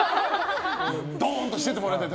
どーんとしててもらいたい。